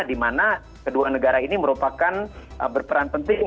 di mana kedua negara ini merupakan berperan penting